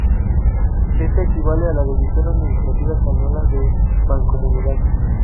Ésta equivale a la división administrativa española de mancomunidad.